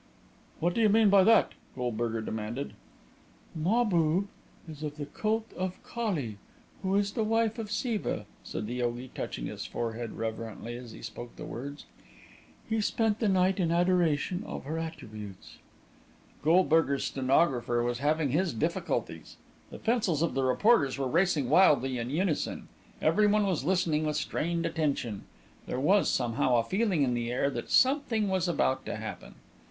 "What do you mean by that?" Goldberger demanded. "Mahbub is of the cult of Kali, who is the wife of Siva," said the yogi, touching his forehead reverently as he spoke the words. "He spent the night in adoration of her attributes." Goldberger's stenographer was having his difficulties; the pencils of the reporters were racing wildly in unison; everyone was listening with strained attention; there was, somehow, a feeling in the air that something was about to happen.